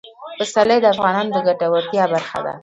پسرلی د افغانانو د ګټورتیا برخه ده.